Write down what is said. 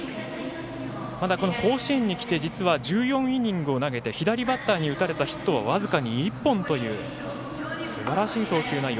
まだ、この甲子園に来て１４イニングを投げて左バッターに打たれたヒットは僅かに１本というすばらしい投球内容。